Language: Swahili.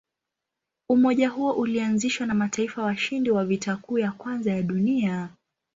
Umoja huo ulianzishwa na mataifa washindi wa Vita Kuu ya Kwanza ya Dunia.